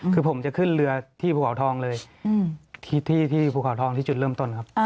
คือผมจะขึ้นเรือที่ภูเขาทองเลยที่ภูเขาทองที่จุดเริ่มต้นครับ